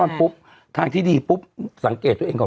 เราก็มีความหวังอะ